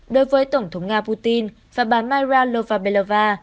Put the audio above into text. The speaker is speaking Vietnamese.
đối với tổng thống nga putin và bà myra lovabelova